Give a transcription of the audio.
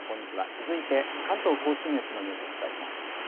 続いて関東甲信越のニュースお伝えします。